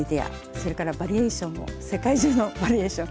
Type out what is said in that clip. それからバリエーションも世界中のバリエーション。